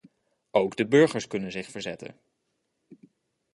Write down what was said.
Ook de burgers kunnen zich verzetten.